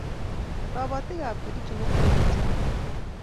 Kapatik ap kericho ko kolei chaik